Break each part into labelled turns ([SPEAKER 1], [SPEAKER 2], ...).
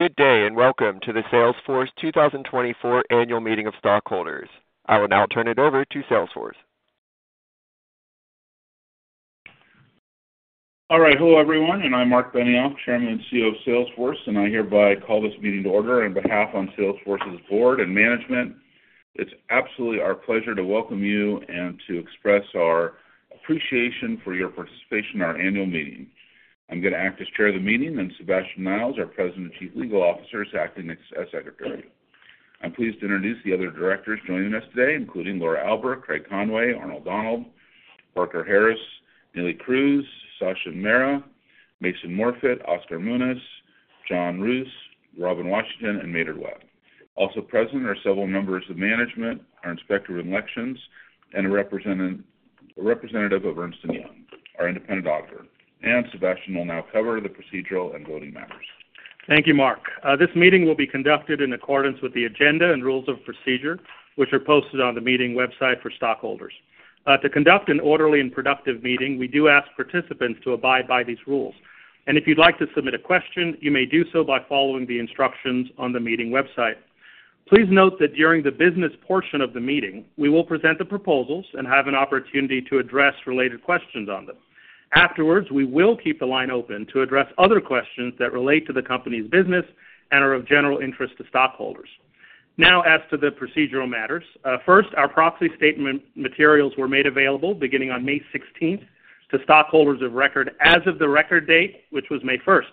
[SPEAKER 1] Good day, and welcome to the Salesforce 2024 Annual Meeting of Stockholders. I will now turn it over to Salesforce.
[SPEAKER 2] All right. Hello, everyone, and I'm Marc Benioff, Chairman and CEO of Salesforce, and I hereby call this meeting to order on behalf of Salesforce's board and management. It's absolutely our pleasure to welcome you and to express our appreciation for your participation in our annual meeting. I'm going to act as chair of the meeting, and Sabastian Niles, our President and Chief Legal Officer, is acting as secretary. I'm pleased to introduce the other directors joining us today, including Laura Alber, Craig Conway, Arnold Donald, Parker Harris, Neelie Kroes, Sachin Mehra, Mason Morfit, Oscar Munoz, John Roos, Robin Washington, and Maynard Webb. Also present are several members of management, our Inspector of Elections, and a representative of Ernst & Young, our independent auditor. Sabastian will now cover the procedural and voting matters.
[SPEAKER 1] Thank you, Marc. This meeting will be conducted in accordance with the agenda and rules of procedure, which are posted on the meeting website for stockholders. To conduct an orderly and productive meeting, we do ask participants to abide by these rules, and if you'd like to submit a question, you may do so by following the instructions on the meeting website. Please note that during the business portion of the meeting, we will present the proposals and have an opportunity to address related questions on them. Afterwards, we will keep the line open to address other questions that relate to the company's business and are of general interest to stockholders. Now, as to the procedural matters, first, our proxy statement materials were made available beginning on May 16th, to stockholders of record as of the record date, which was May 1st.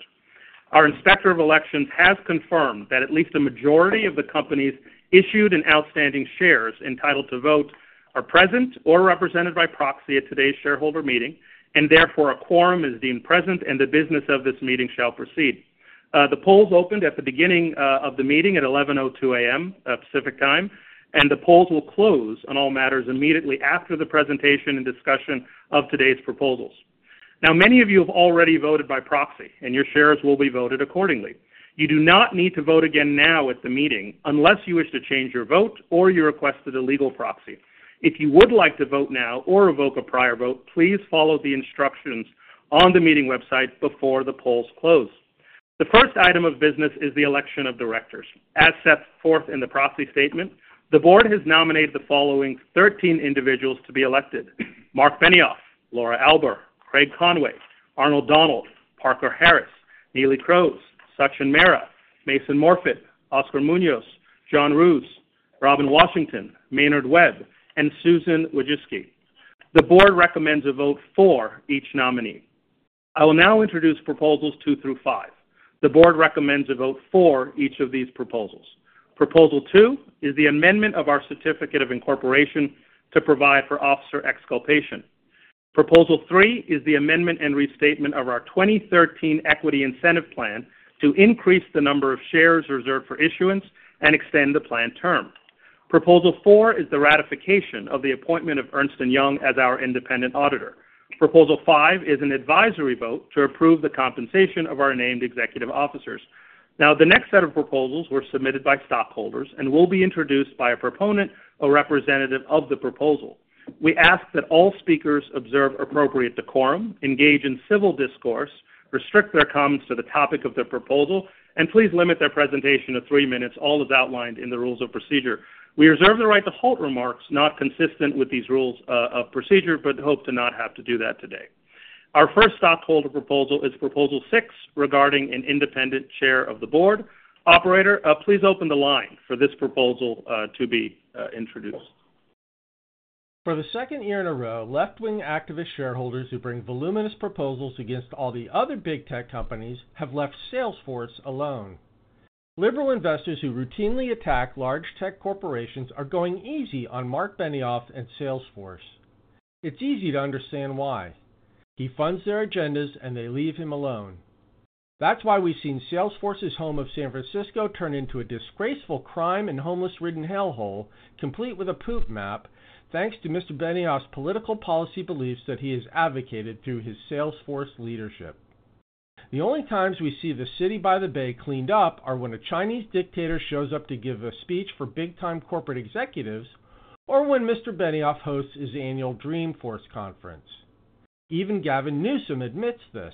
[SPEAKER 1] Our Inspector of Elections has confirmed that at least a majority of the Company's issued and outstanding shares entitled to vote are present or represented by proxy at today's shareholder meeting, and therefore, a quorum is deemed present, and the business of this meeting shall proceed. The polls opened at the beginning of the meeting at 11:02 A.M. Pacific Time, and the polls will close on all matters immediately after the presentation and discussion of today's proposals. Now, many of you have already voted by proxy, and your shares will be voted accordingly. You do not need to vote again now at the meeting, unless you wish to change your vote or you requested a legal proxy. If you would like to vote now or revoke a prior vote, please follow the instructions on the meeting website before the polls close. The first item of business is the election of directors. As set forth in the proxy statement, the Board has nominated the following 13 individuals to be elected: Marc Benioff, Laura Alber, Craig Conway, Arnold Donald, Parker Harris, Neelie Kroes, Sachin Mehra, Mason Morfit, Oscar Munoz, John Roos, Robin Washington, Maynard Webb, and Susan Wojcicki. The Board recommends a vote for each nominee. I will now introduce proposals two through five. The Board recommends a vote for each of these proposals. Proposal two is the amendment of our Certificate of Incorporation to provide for officer exculpation. Proposal three is the amendment and restatement of our 2013 Equity Incentive Plan to increase the number of shares reserved for issuance and extend the plan term. Proposal four is the ratification of the appointment of Ernst & Young as our independent auditor. Proposal five is an advisory vote to approve the compensation of our named executive officers. Now, the next set of proposals were submitted by stockholders and will be introduced by a proponent or representative of the proposal. We ask that all speakers observe appropriate decorum, engage in civil discourse, restrict their comments to the topic of their proposal, and please limit their presentation to three minutes, all as outlined in the rules of procedure. We reserve the right to halt remarks not consistent with these rules of procedure, but hope to not have to do that today. Our first stockholder proposal is Proposal six, regarding an independent chair of the board. Operator, please open the line for this proposal to be introduced.
[SPEAKER 3] For the second year in a row, left-wing activist shareholders who bring voluminous proposals against all the other big tech companies have left Salesforce alone. Liberal investors who routinely attack large tech corporations are going easy on Marc Benioff and Salesforce. It's easy to understand why. He funds their agendas, and they leave him alone. That's why we've seen Salesforce's home of San Francisco turn into a disgraceful crime and homeless-ridden hellhole, complete with a poop map, thanks to Mr. Benioff's political policy beliefs that he has advocated through his Salesforce leadership. The only times we see the city by the Bay cleaned up are when a Chinese dictator shows up to give a speech for big-time corporate executives or when Mr. Benioff hosts his annual Dreamforce conference. Even Gavin Newsom admits this.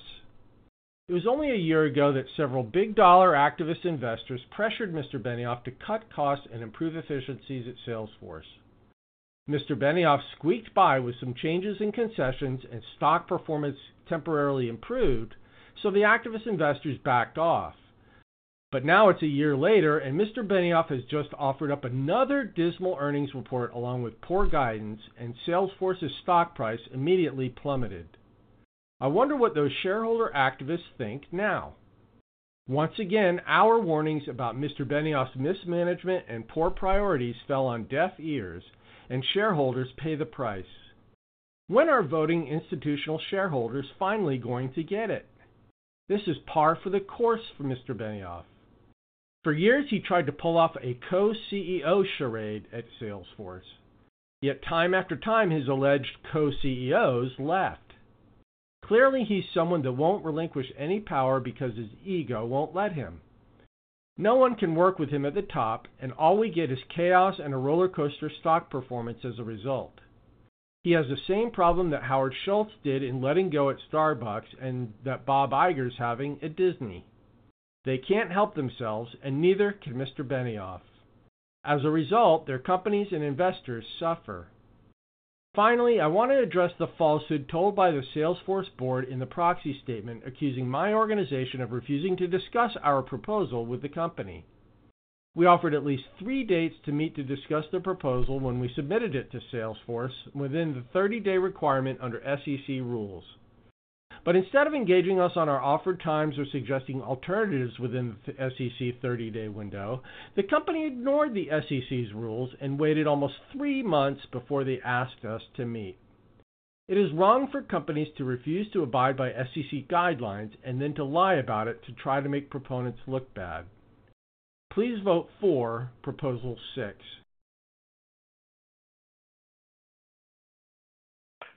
[SPEAKER 3] It was only a year ago that several big-dollar activist investors pressured Mr. Benioff to cut costs and improve efficiencies at Salesforce. Mr. Benioff squeaked by with some changes in concessions, and stock performance temporarily improved, so the activist investors backed off. But now it's a year later, and Mr. Benioff has just offered up another dismal earnings report along with poor guidance, and Salesforce's stock price immediately plummeted. I wonder what those shareholder activists think now. Once again, our warnings about Mr. Benioff's mismanagement and poor priorities fell on deaf ears, and shareholders pay the price. When are voting institutional shareholders finally going to get it? This is par for the course for Mr. Benioff. For years, he tried to pull off a co-CEO charade at Salesforce. Yet time after time, his alleged co-CEOs left. Clearly, he's someone that won't relinquish any power because his ego won't let him. No one can work with him at the top, and all we get is chaos and a rollercoaster stock performance as a result. He has the same problem that Howard Schultz did in letting go at Starbucks and that Bob Iger's having at Disney. They can't help themselves, and neither can Mr. Benioff. As a result, their companies and investors suffer. Finally, I want to address the falsehood told by the Salesforce board in the proxy statement, accusing my organization of refusing to discuss our proposal with the company. We offered at least three dates to meet to discuss the proposal when we submitted it to Salesforce within the 30-day requirement under SEC rules. But instead of engaging us on our offered times or suggesting alternatives within the SEC 30-day window, the company ignored the SEC's rules and waited almost 3 months before they asked us to meet. It is wrong for companies to refuse to abide by SEC guidelines and then to lie about it to try to make proponents look bad. Please vote for Proposal Six.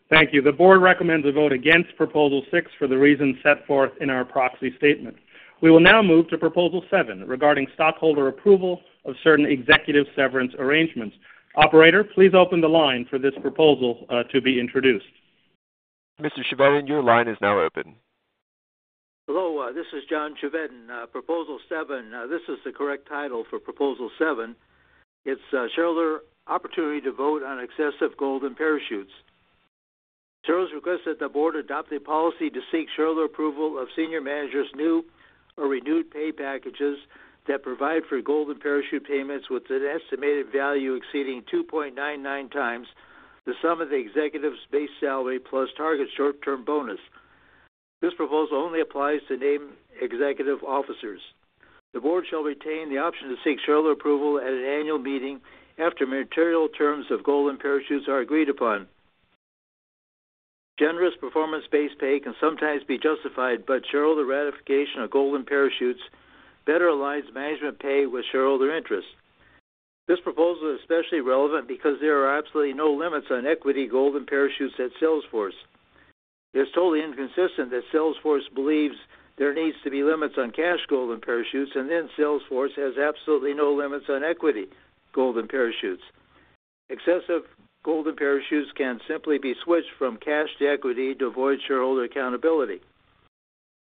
[SPEAKER 1] Thank you. The board recommends a vote against Proposal Six for the reasons set forth in our proxy statement. We will now move to Proposal Seven regarding stockholder approval of certain executive severance arrangements. Operator, please open the line for this proposal, to be introduced. Mr. Chevedden, your line is now open.
[SPEAKER 4] Hello, this is John Chevedden. Proposal Seven, this is the correct title for Proposal Seven. It's, shareholder opportunity to vote on excessive golden parachutes. Shareholders request that the board adopt a policy to seek shareholder approval of senior managers' new or renewed pay packages that provide for golden parachute payments with an estimated value exceeding 2.99 times the sum of the executive's base salary plus target short-term bonus. This proposal only applies to named executive officers. The board shall retain the option to seek shareholder approval at an annual meeting after material terms of golden parachutes are agreed upon. Generous performance-based pay can sometimes be justified, but shareholder ratification of golden parachutes better aligns management pay with shareholder interest. This proposal is especially relevant because there are absolutely no limits on equity golden parachutes at Salesforce. It's totally inconsistent that Salesforce believes there needs to be limits on cash golden parachutes, and then Salesforce has absolutely no limits on equity golden parachutes. Excessive golden parachutes can simply be switched from cash to equity to avoid shareholder accountability.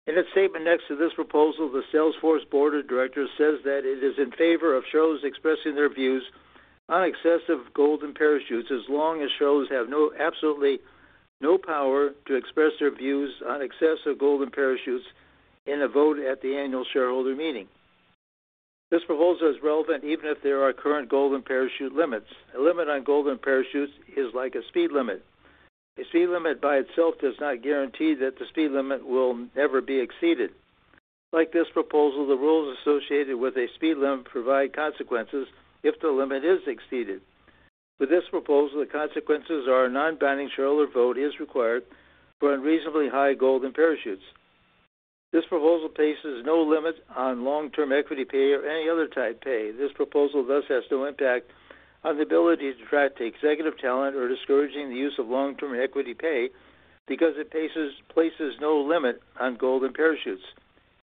[SPEAKER 4] In a statement next to this proposal, the Salesforce board of directors says that it is in favor of shareholders expressing their views on excessive golden parachutes as long as shareholders have no, absolutely no power to express their views on excessive golden parachutes in a vote at the annual shareholder meeting. This proposal is relevant even if there are current golden parachute limits. A limit on golden parachutes is like a speed limit. A speed limit by itself does not guarantee that the speed limit will never be exceeded. Like this proposal, the rules associated with a speed limit provide consequences if the limit is exceeded. With this proposal, the consequences are a non-binding shareholder vote is required for unreasonably high golden parachutes. This proposal places no limit on long-term equity pay or any other type pay. This proposal, thus, has no impact on the ability to attract executive talent or discouraging the use of long-term equity pay because it places no limit on golden parachutes.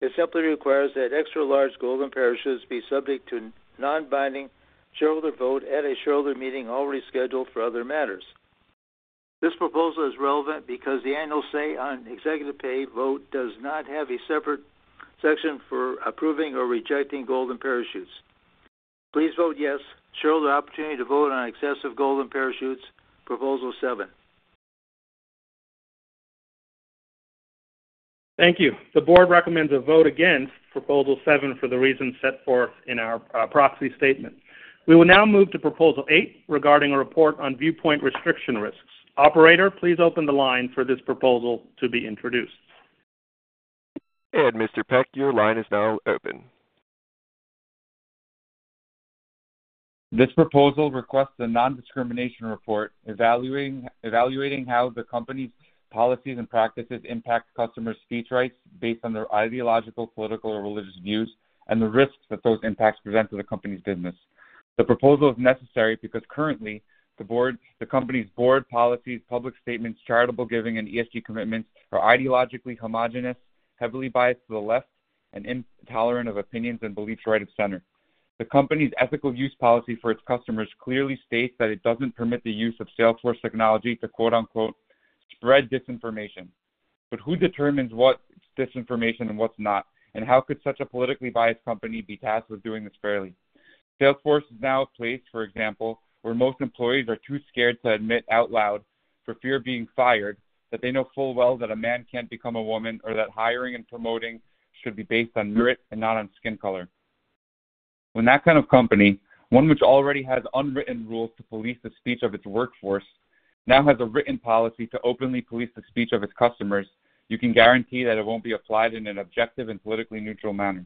[SPEAKER 4] It simply requires that extra large golden parachutes be subject to non-binding shareholder vote at a shareholder meeting already scheduled for other matters. This proposal is relevant because the annual say on executive pay vote does not have a separate section for approving or rejecting golden parachutes. Please vote yes. Shareholder opportunity to vote on excessive golden parachutes, Proposal Seven.
[SPEAKER 1] Thank you. The board recommends a vote against Proposal Seven for the reasons set forth in our proxy statement. We will now move to Proposal eight, regarding a report on viewpoint restriction risks. Operator, please open the line for this proposal to be introduced. Mr. Peck, your line is now open.
[SPEAKER 5] This proposal requests a non-discrimination report, evaluating how the company's policies and practices impact customer speech rights based on their ideological, political, or religious views, and the risks that those impacts present to the company's business. The proposal is necessary because currently, the board, the company's board policies, public statements, charitable giving, and ESG commitments are ideologically homogenous, heavily biased to the left, and intolerant of opinions and beliefs right of center. The company's ethical use policy for its customers clearly states that it doesn't permit the use of Salesforce technology to, quote, unquote, "spread disinformation." But who determines what's disinformation and what's not? And how could such a politically biased company be tasked with doing this fairly? Salesforce is now a place, for example, where most employees are too scared to admit out loud, for fear of being fired, that they know full well that a man can't become a woman, or that hiring and promoting should be based on merit and not on skin color. When that kind of company, one which already has unwritten rules to police the speech of its workforce, now has a written policy to openly police the speech of its customers, you can guarantee that it won't be applied in an objective and politically neutral manner.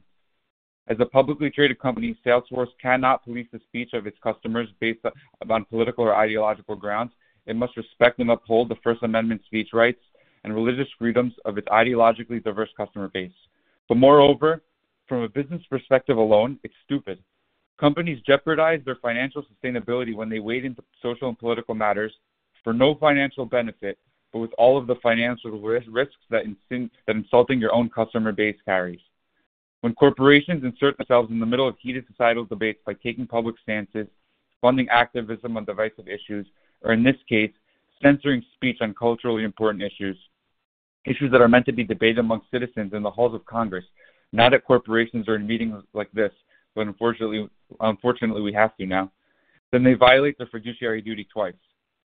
[SPEAKER 5] As a publicly traded company, Salesforce cannot police the speech of its customers based on, on political or ideological grounds. It must respect and uphold the First Amendment speech rights and religious freedoms of its ideologically diverse customer base. But moreover, from a business perspective alone, it's stupid. Companies jeopardize their financial sustainability when they wade into social and political matters for no financial benefit, but with all of the financial risk, risks that insulting your own customer base carries. When corporations insert themselves in the middle of heated societal debates by taking public stances, funding activism on divisive issues, or in this case, censoring speech on culturally important issues, issues that are meant to be debated amongst citizens in the halls of Congress, not at corporations or in meetings like this, but unfortunately, unfortunately, we have to now, then they violate their fiduciary duty twice.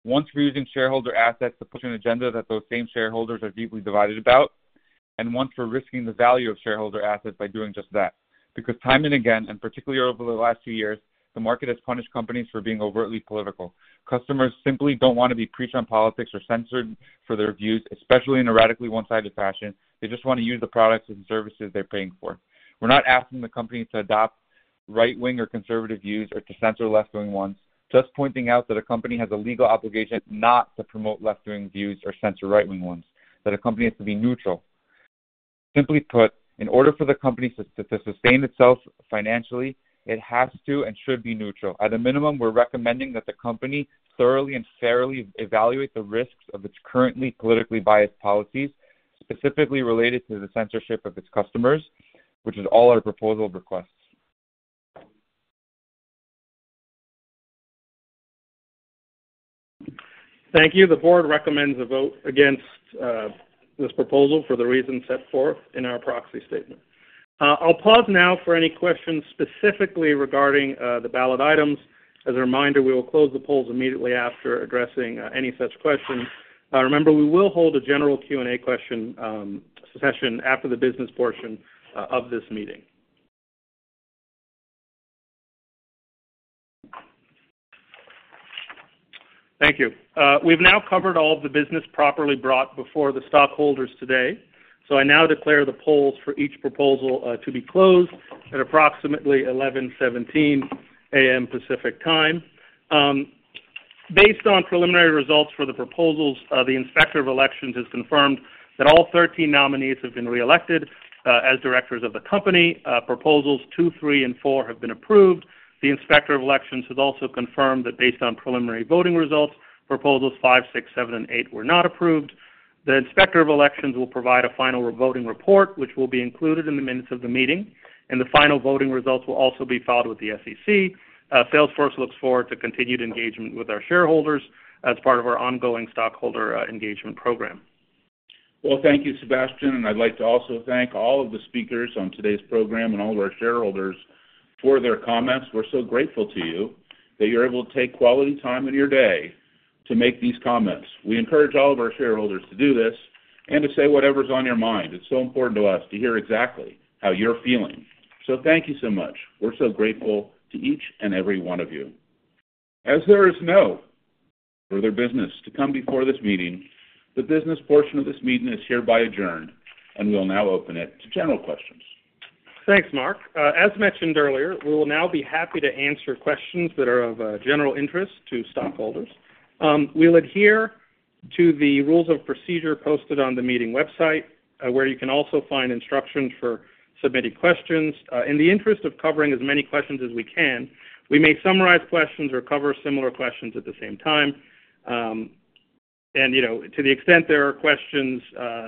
[SPEAKER 5] Once for using shareholder assets to push an agenda that those same shareholders are deeply divided about, and once for risking the value of shareholder assets by doing just that. Because time and again, and particularly over the last two years, the market has punished companies for being overtly political. Customers simply don't want to be preached on politics or censored for their views, especially in a radically one-sided fashion. They just want to use the products and services they're paying for. We're not asking the company to adopt right-wing or conservative views or to censor left-wing ones. Just pointing out that a company has a legal obligation not to promote left-wing views or censor right-wing ones, that a company has to be neutral. Simply put, in order for the company to sustain itself financially, it has to and should be neutral. At a minimum, we're recommending that the company thoroughly and fairly evaluate the risks of its currently politically biased policies, specifically related to the censorship of its customers, which is all our proposal requests.
[SPEAKER 1] Thank you. The board recommends a vote against this proposal for the reasons set forth in our proxy statement. I'll pause now for any questions specifically regarding the ballot items. As a reminder, we will close the polls immediately after addressing any such questions. Remember, we will hold a general Q&A question session after the business portion of this meeting. Thank you. We've now covered all of the business properly brought before the stockholders today. I now declare the polls for each proposal to be closed at approximately 11:17 A.M. Pacific Time. Based on preliminary results for the proposals, the Inspector of Elections has confirmed that all 13 nominees have been reelected as directors of the company. Proposals two, three, and four have been approved. The Inspector of Elections has also confirmed that based on preliminary voting results, Proposals five, six, seven, and eight were not approved. The Inspector of Elections will provide a final voting report, which will be included in the minutes of the meeting, and the final voting results will also be filed with the SEC. Salesforce looks forward to continued engagement with our shareholders as part of our ongoing stockholder engagement program.
[SPEAKER 2] Well, thank you, Sabastian, and I'd like to also thank all of the speakers on today's program and all of our shareholders for their comments. We're so grateful to you that you're able to take quality time in your day to make these comments. We encourage all of our shareholders to do this and to say whatever's on your mind. It's so important to us to hear exactly how you're feeling. So thank you so much. We're so grateful to each and every one of you. As there is no further business to come before this meeting, the business portion of this meeting is hereby adjourned, and we'll now open it to general questions.
[SPEAKER 1] Thanks, Marc. As mentioned earlier, we will now be happy to answer questions that are of general interest to stockholders. We'll adhere to the rules of procedure posted on the meeting website, where you can also find instructions for submitting questions. In the interest of covering as many questions as we can, we may summarize questions or cover similar questions at the same time. And, you know, to the extent there are questions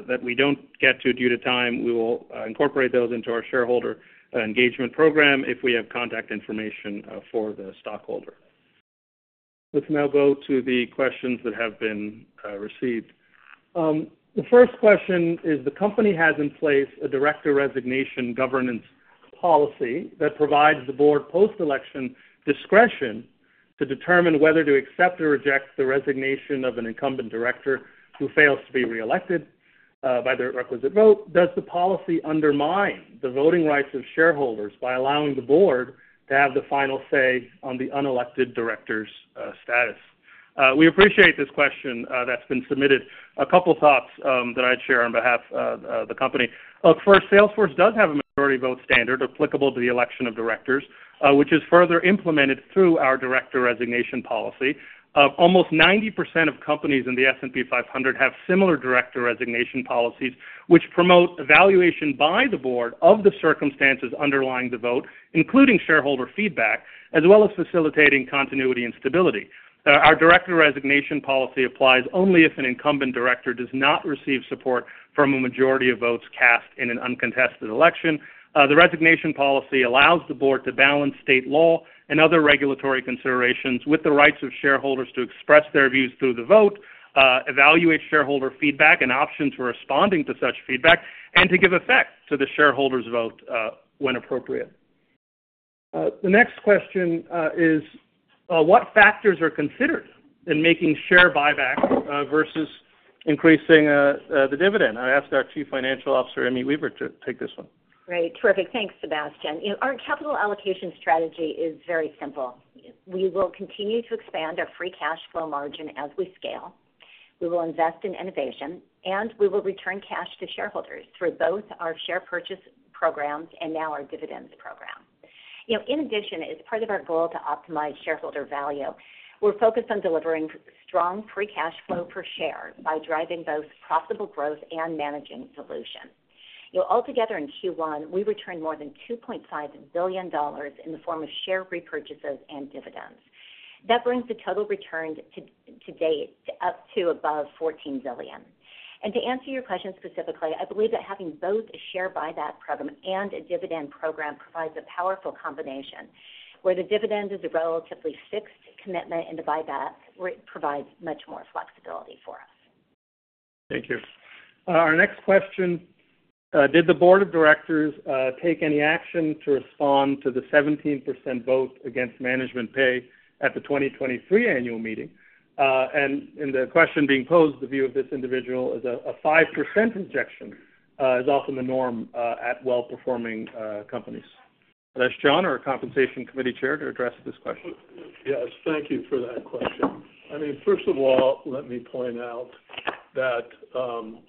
[SPEAKER 1] that we don't get to due to time, we will incorporate those into our shareholder engagement program if we have contact information for the stockholder. Let's now go to the questions that have been received. The first question is: The company has in place a director resignation governance policy that provides the board post-election discretion to determine whether to accept or reject the resignation of an incumbent director who fails to be reelected by the requisite vote. Does the policy undermine the voting rights of shareholders by allowing the board to have the final say on the unelected director's status? We appreciate this question that's been submitted. A couple thoughts that I'd share on behalf of the company. First, Salesforce does have a majority vote standard applicable to the election of directors, which is further implemented through our director resignation policy. Almost 90% of companies in the S&P 500 have similar director resignation policies, which promote evaluation by the board of the circumstances underlying the vote, including shareholder feedback, as well as facilitating continuity and stability. Our director resignation policy applies only if an incumbent director does not receive support from a majority of votes cast in an uncontested election. The resignation policy allows the board to balance state law and other regulatory considerations with the rights of shareholders to express their views through the vote, evaluate shareholder feedback and options for responding to such feedback, and to give effect to the shareholders' vote, when appropriate. The next question is what factors are considered in making share buyback versus increasing the dividend? I ask our Chief Financial Officer, Amy Weaver, to take this one.
[SPEAKER 6] Great. Terrific. Thanks, Sabastian. You know, our capital allocation strategy is very simple. We will continue to expand our free cash flow margin as we scale. We will invest in innovation, and we will return cash to shareholders through both our share purchase programs and now our dividends program. You know, in addition, as part of our goal to optimize shareholder value, we're focused on delivering strong free cash flow per share by driving both profitable growth and managing solution. You know, altogether in Q1, we returned more than $2.5 billion in the form of share repurchases and dividends. That brings the total return to date up to above 14 billion. To answer your question specifically, I believe that having both a share buyback program and a dividend program provides a powerful combination, where the dividend is a relatively fixed commitment, and the buyback, where it provides much more flexibility for us.
[SPEAKER 1] Thank you. Our next question: Did the board of directors take any action to respond to the 17% vote against management pay at the 2023 annual meeting? And the question being posed, the view of this individual, is a 5% rejection is often the norm at well-performing companies. I'll ask John, our Compensation Committee chair, to address this question.
[SPEAKER 7] Yes, thank you for that question. I mean, first of all, let me point out that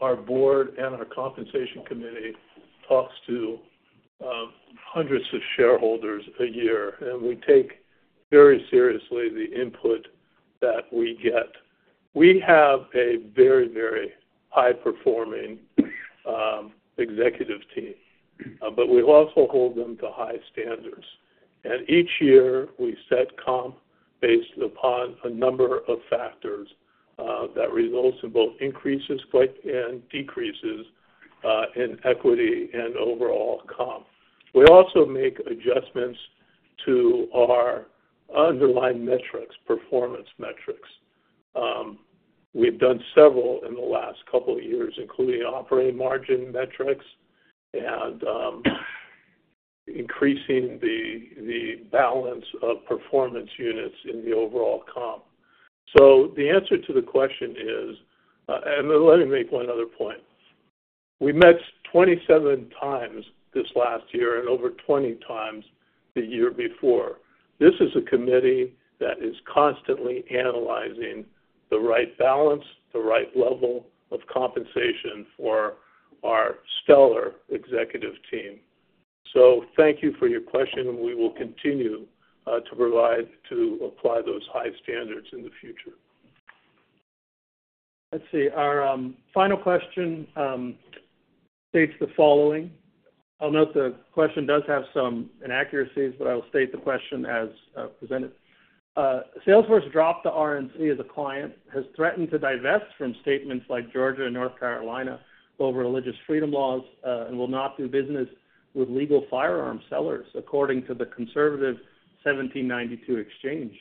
[SPEAKER 7] our board and our compensation committee talks to hundreds of shareholders a year, and we take very seriously the input that we get. We have a very, very high-performing executive team, but we also hold them to high standards. Each year, we set comp based upon a number of factors that results in both increases but, and decreases in equity and overall comp. We also make adjustments to our underlying metrics, performance metrics. We've done several in the last couple of years, including operating margin metrics and increasing the, the balance of performance units in the overall comp. The answer to the question is... Let me make one other point. We met 27 times this last year and over 20 times the year before. This is a committee that is constantly analyzing the right balance, the right level of compensation for our stellar executive team. So thank you for your question, and we will continue to provide, to apply those high standards in the future.
[SPEAKER 1] Let's see, our final question states the following. I'll note the question does have some inaccuracies, but I will state the question as presented. Salesforce dropped the RNC as a client, has threatened to divest from states like Georgia and North Carolina over religious freedom laws, and will not do business with legal firearm sellers, according to the conservative 1792 Exchange.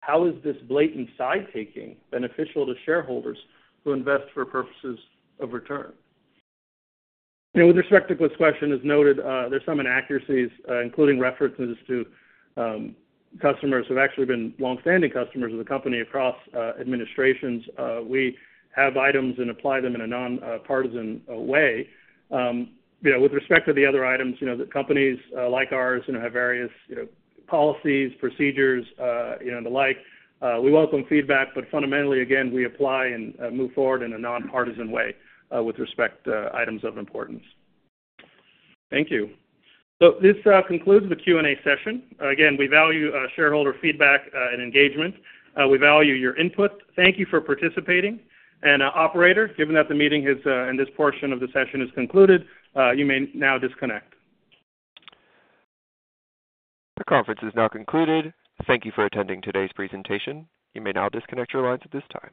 [SPEAKER 1] How is this blatant side-taking beneficial to shareholders who invest for purposes of return? You know, with respect to this question, as noted, there's some inaccuracies, including references to customers who have actually been long-standing customers of the company across administrations. We have items and apply them in a non-partisan way. You know, with respect to the other items, you know, the companies like ours, you know, have various, you know, policies, procedures and the like. We welcome feedback, but fundamentally, again, we apply and move forward in a nonpartisan way with respect to items of importance. Thank you. So this concludes the Q&A session. Again, we value shareholder feedback and engagement. We value your input. Thank you for participating. And, operator, given that the meeting has and this portion of the session is concluded, you may now disconnect.
[SPEAKER 3] The conference is now concluded. Thank you for attending today's presentation. You may now disconnect your lines at this time.